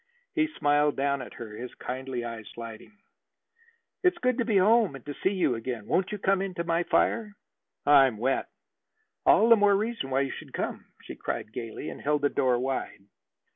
He smiled down at her, his kindly eyes lighting. "It's good to be home and to see you again. Won't you come in to my fire?" "I'm wet." "All the more reason why you should come," she cried gayly, and held the door wide.